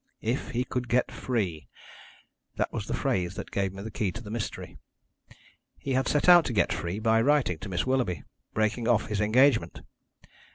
'If he could get free!' That was the phrase that gave me the key to the mystery. He had set out to get free by writing to Miss Willoughby, breaking off his engagement.